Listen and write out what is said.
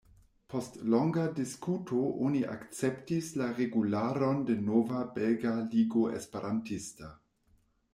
Post longa diskuto oni akceptis la regularon de nova Belga Ligo Esperantista.